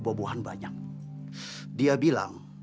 boboan banyak dia bilang